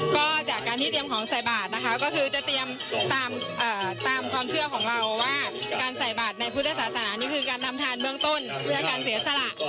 ก็จากการที่เตรียมของใส่บาทนะคะก็คือจะเตรียมตามความเชื่อของเราว่าการใส่บาทในพุทธศาสนานี่คือการนำทานเบื้องต้นเพื่อการเสียสละ